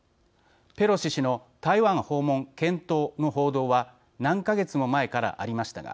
ペロシ氏の台湾訪問検討の報道は何か月も前からありましたが